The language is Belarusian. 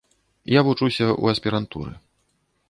Я вучуся ў аспірантуры.